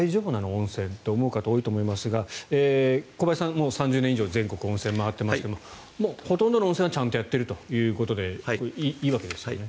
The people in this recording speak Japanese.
温泉って思う方多いと思いますが小林さん、３０年以上全国の温泉を回っていますがほとんどの温泉はちゃんとやっているということでいいわけですよね？